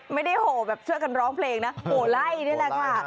ไม่ได้โหแบบเสื้อกันร้องเพลงนะโหไล่นี่แหละค่ะ